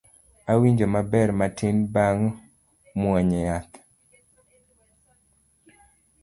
Awinjo maber matin bang' muonyo yath